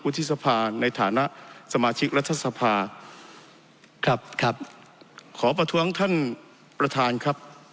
ที่สภาในฐานะสมาชิกรัฐสภาครับครับขอประท้วงท่านประธานครับ